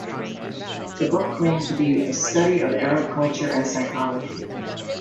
The book claimed to be a "study of Arab culture and psychology".